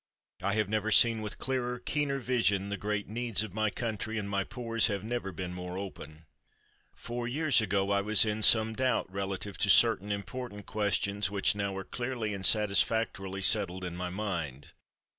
I have never seen with clearer, keener vision the great needs of my country, and my pores have never been more open. Four years ago I was in some doubt relative to certain important questions which now are clearly and satisfactorily settled in my mind.